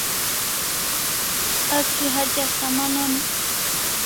Asi hatya saman onik